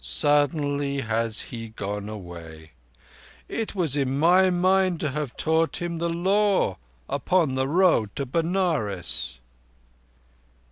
Suddenly has he gone away. It was in my mind to have taught him the Law upon the road to Benares."